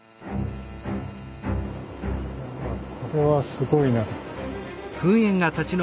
これはすごいな。